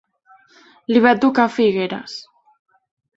Li va tocar Figueres.